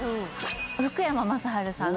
福山雅治さん。